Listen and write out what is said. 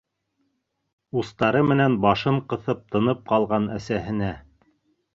Устары менән башын ҡыҫып тынып ҡалған әсәһенә